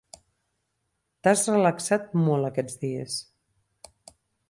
T'has relaxat molt aquests dies.